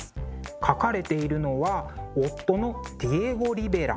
描かれているのは夫のディエゴ・リベラ。